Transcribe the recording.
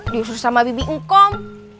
diusur sama bibi ngkom